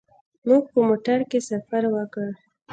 موږ په موټر کې سفر وکړ.